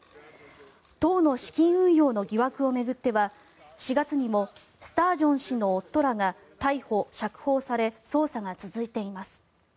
党の資金運用の疑惑を巡っては４月にもスタージョン氏の夫らが逮捕・釈放され捜査が続いています。